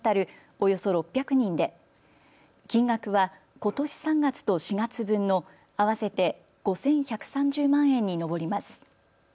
およそ６００人で金額はことし３月と４月分の合わせて５１３０万円に上ります。